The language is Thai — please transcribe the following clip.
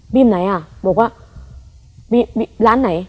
บีมไหนอะบอกว่าร้านไหน